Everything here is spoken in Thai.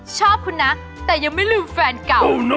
ชอบคุณนะแต่ยังไม่ลืมแฟนเก่า